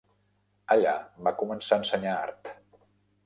Allà va començar a ensenyar art.